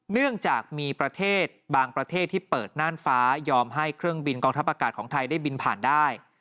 เนื่องจากมีประเทศบางประเทศที่เปิดน่านฟ้ายอมให้เครื่องบินกองทัพอากาศของไทยได้บินผ่านได้